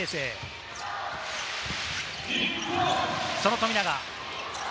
その富永。